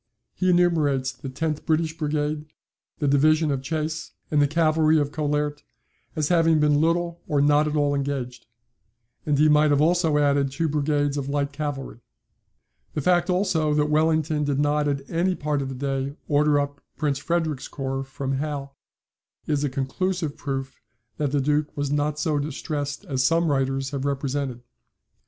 He enumerates the tenth British Brigade, the division of Chasse, and the cavalry of Collaert, as having been little or not at all engaged; and he might have also added two brigades of light cavalry." The fact, also, that Wellington did not at any part of the day order up Prince Frederick's corps from Hal, is a conclusive proof that the Duke was not so distressed as some writers have represented.